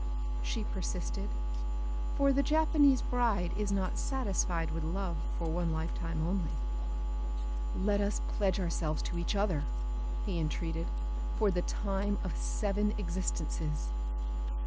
she persisted; for the Japanese bride is not satisfied with love for one life time only. "Let us pledge ourselves to each other," he entreated, "for the time of seven existences."